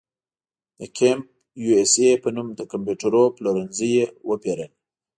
د کمپ یو اس اې په نوم د کمپیوټرونو پلورنځي یې وپېرل.